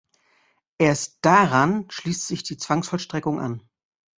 Erst daran schließt sich die Zwangsvollstreckung an.